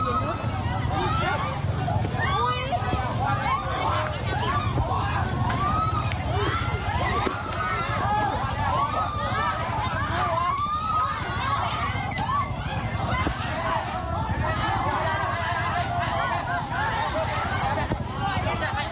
เจ้าบอกบอกแท้น